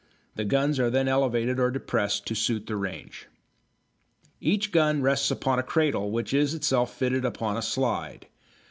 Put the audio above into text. The guns are then elevated or depressed to suit the range. Each gun rests upon a cradle which is itself fitted upon a slide.